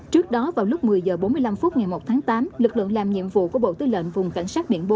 trước đó vào lúc một mươi h bốn mươi năm phút ngày một tháng tám lực lượng làm nhiệm vụ của bộ tư lệnh vùng cảnh sát biển bốn